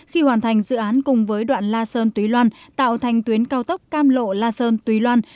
khi hoàn thành dự án cùng với đoạn la sơn túy loan tạo thành tuyến cao tốc cam lộ la sơn túy loan